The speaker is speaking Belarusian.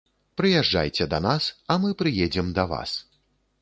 Прыязджайце да нас, а мы прыедзем да вас.